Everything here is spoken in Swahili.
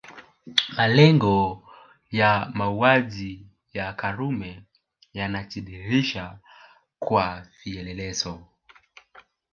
Malengo ya mauaji ya Karume yanajidhihirisha kwa vielelezo